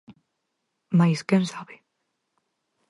Mais quen sabe.